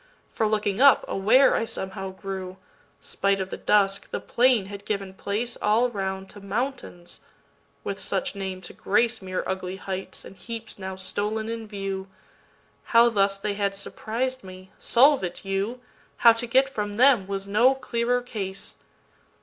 For, looking up, aware I somehow grew, Spite of the dusk, the plain had given placeAll round to mountains—with such name to graceMere ugly heights and heaps now stolen in view. How thus they had surpris'd me,—solve it, you! How to get from them was no clearer case.